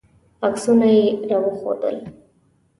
عکسونه یې راوښودل.